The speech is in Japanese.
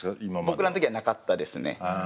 僕らの時はなかったですね。